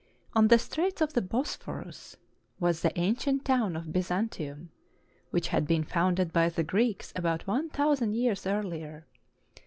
On the Straits of the Bosphorus was the ancient town of Byzantium, which had been founded by the Greeks about one thousand years earlier.